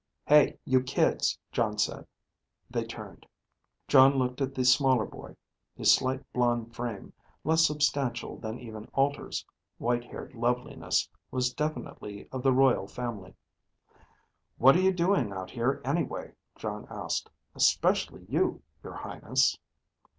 "Hey, you kids," Jon said. They turned. Jon looked at the smaller boy. His slight blond frame, less substantial then even Alter's white haired loveliness was definitely of the royal family. "What are you doing out here, anyway?" Jon asked. "Especially you, your Highness."